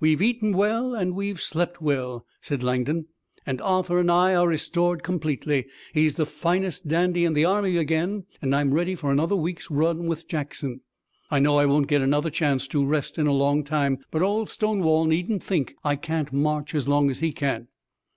"We've eaten well, and we've slept well," said Langdon, "and Arthur and I are restored completely. He's the finest dandy in the army again, and I'm ready for another week's run with Jackson. I know I won't get another chance to rest in a long time, but Old Stonewall needn't think I can't march as long as he can."